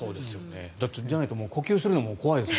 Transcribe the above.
じゃないと呼吸するのも怖いですよ。